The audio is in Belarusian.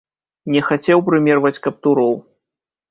Не хацеў прымерваць каптуроў.